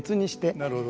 なるほど。